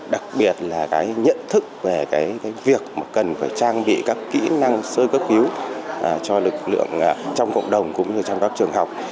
đặc biệt là cái nhận thức về cái việc mà cần phải trang bị các kỹ năng sơ cấp cứu cho lực lượng trong cộng đồng cũng như trong các trường học